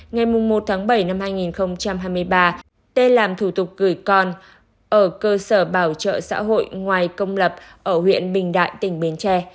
ngày một tháng bảy năm hai nghìn hai mươi ba t làm thủ tục gửi con ở cơ sở bảo trợ xã hội ngoài công lập ở huyện bình đại tỉnh bến tre